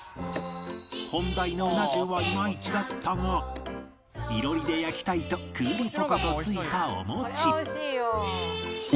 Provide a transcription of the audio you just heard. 本題のうな重はイマイチだったが囲炉裏で焼きたいとクールポコ。とついたお餅